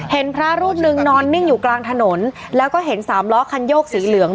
พระรูปหนึ่งนอนนิ่งอยู่กลางถนนแล้วก็เห็นสามล้อคันโยกสีเหลือง